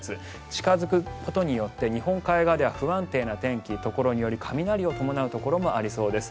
近付くことによって日本海側では不安定な天気、ところにより雷を伴うところもありそうです。